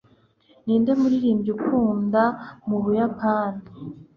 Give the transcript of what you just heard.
ninde muririmbyi ukunda mu buyapani